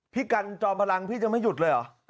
กันจอมพลังพี่จะไม่หยุดเลยเหรอ